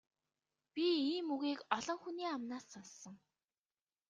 Би ийм үгийг олон хүний амнаас сонссон.